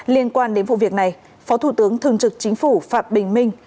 liên quan đến vụ việc này phó thủ tướng thường trực chính phủ phạm bình minh